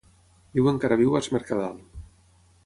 Diuen que ara viu a Es Mercadal.